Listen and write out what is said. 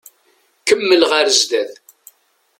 Kemmel ɣer zdat.